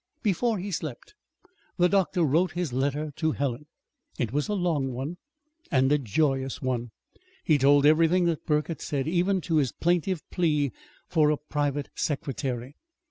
Before he slept the doctor wrote his letter to Helen. It was a long one, and a joyous one. It told everything that Burke had said, even to his plaintive plea for a private secretary.